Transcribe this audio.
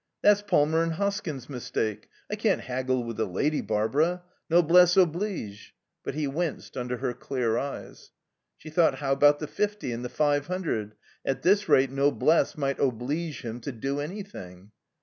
"That's Palmer and Hoskins's mistake. I can't haggle with a lady, Barbara. Noblesse oblige." But he winced under her clear eyes. She thought: "How about the fifty and the five hundred? At this rate noblesse might oblige him to do anything."